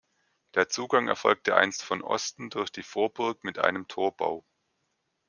Der Zugang erfolgte einst von Osten durch die Vorburg mit einem Torbau.